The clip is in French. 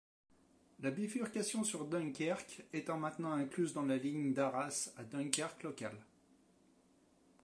La bifurcation sur Dunkerque étant maintenant incluse dans la ligne d'Arras à Dunkerque-Locale.